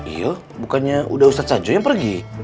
iya bukannya udah ustadz sajo yang pergi